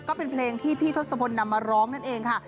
ก็เป็นเพลงที่พี่ทศพลนำมาร้องนั่นเองค่ะ